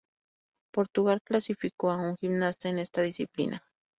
Portugal clasificó a un gimnasta en esta disciplina.